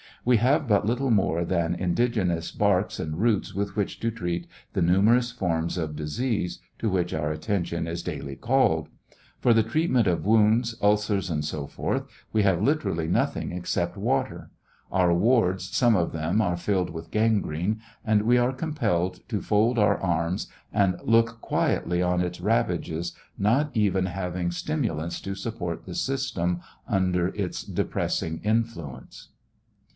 We have but little more than indigenous barks and roots with which to treat the numerous forms of disease to which our attention is daily called. For the treatment of wounds, ulcers, and so forth, we have literally nothing except ivater. Our wards, some of them, are iilled with gangrene, and we are compelled to fold our arms, and look quietly on its ravages, not even having stimulants to sapp'ort the system under its depressing influence.